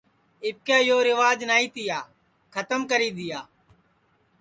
اِٻکے یو ریوج نائی تیا کھتم کری دؔیا